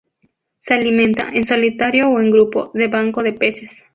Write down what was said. Se alimenta, en solitario o en grupo, de banco de peces.